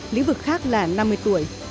lĩnh vực khác là năm mươi tuổi